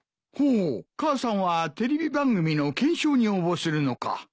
ほう母さんはテレビ番組の懸賞に応募するのか。